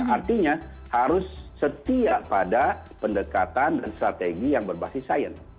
artinya harus setia pada pendekatan dan strategi yang berbasis sains